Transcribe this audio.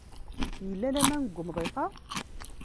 Yella laman deg umḍiq-a?